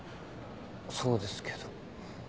そうですけど。